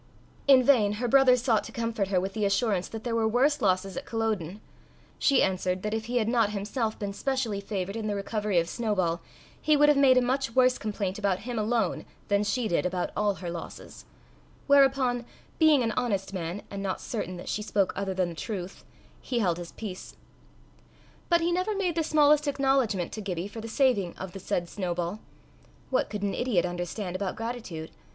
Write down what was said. In vain her brother sought to comfort her with the assurance that there were worse losses at Culloden; she answered, that if he had not himself been specially favoured in the recovery of Snowball, he would have made a much worse complaint about him alone than she did about all her losses; whereupon, being an honest man, and not certain that she spoke other than the truth, he held his peace. But he never made the smallest acknowledgment to Gibbie for the saving of the said Snowball: what could an idiot understand about gratitude?